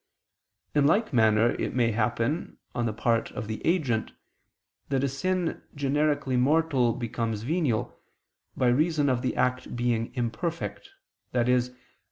In like manner it may happen, on the part of the agent, that a sin generically mortal because venial, by reason of the act being imperfect, i.e.